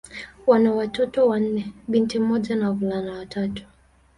Wana watoto wanne: binti mmoja na wavulana watatu.